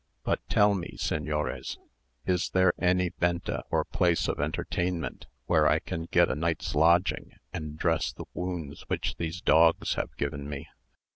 "But tell me, señores, is there any venta or place of entertainment where I can get a night's lodging, and dress the wounds which these dogs have given me?"